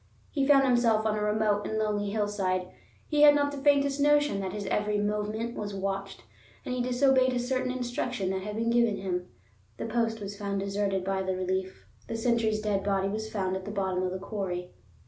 He found himself on a remote and lonely hillside, he had not the faintest notion that his every movement was watched; and he disobeyed a certain instruction that had been given him. The post was found deserted by the relief; the sentry's dead body was found at the bottom of the quarry.